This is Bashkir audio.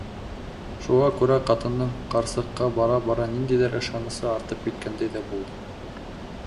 Шуға күрә ҡатындың ҡарсыҡҡа бара-бара ниндәйҙер ышанысы артып киткәндәй ҙә булды.